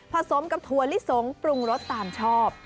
สมกับถั่วลิสงปรุงรสตามชอบ